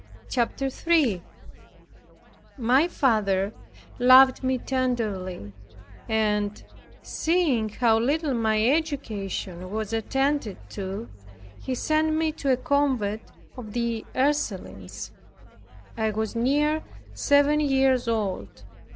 CHAPTER 3 My father who loved me tenderly and seeing how little my education was attended to sent me to a convent of the Ursulines. I was near seven years old.